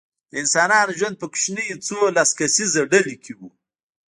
د انسانانو ژوند په کوچنیو څو لس کسیزو ډلو کې و.